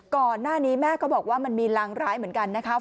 ก่อนหน้านี้แม่ก็บอกว่ามันมีรางร้ายเหมือนกันนะคะ